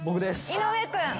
井上君。